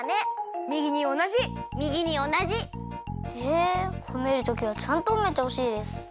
えほめるときはちゃんとほめてほしいです。